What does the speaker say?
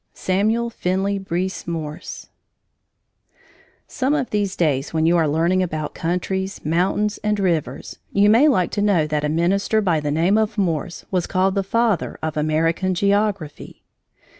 SAMUEL FINLEY BREESE MORSE Some of these days when you are learning about countries, mountains, and rivers, you may like to know that a minister by the name of Morse was called the Father of American Geography.